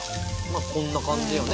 こんな感じよね。